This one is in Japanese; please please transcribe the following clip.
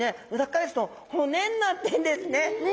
返すと骨になってるんですね。